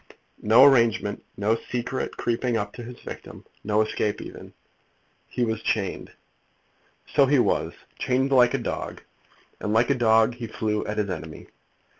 No arrangement; no secret creeping up to his victim; no escape even?" "He was chained." "So he was; chained like a dog; and like a dog he flew at his enemy.